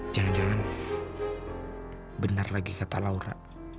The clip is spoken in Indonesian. jangan jangan benar lagi kata laura